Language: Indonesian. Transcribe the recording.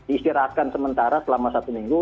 istirahatkan sementara selama satu minggu